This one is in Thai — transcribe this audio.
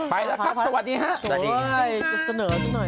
ไปแล้วครับสวัสดีครับ